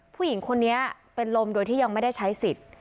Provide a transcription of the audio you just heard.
ผู้หญิงคนนี้เป็นลมโดยที่ยังไม่ได้ใช้สิทธิ์